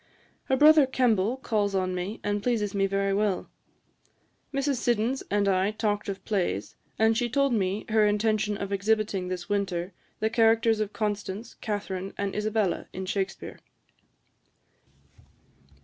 Her brother Kemble calls on me, and pleases me very well. Mrs. Siddons and I talked of plays; and she told me her intention of exhibiting this winter the characters of Constance, Catharine, and Isabella, in Shakspeare.'